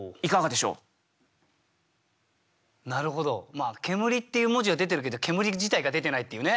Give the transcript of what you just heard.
まあ「煙」っていう文字は出てるけど煙自体が出てないっていうね。